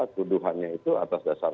tuduhannya itu atas dasar